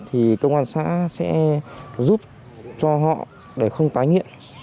thì công an xã sẽ giúp cho họ để không tái nghiện